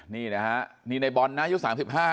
นี่นะครับในบอลนายุ๓๕นะ